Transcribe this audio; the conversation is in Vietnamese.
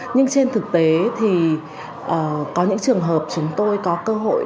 nhưng trên thực tế thì có những trường hợp chúng tôi có cơ hội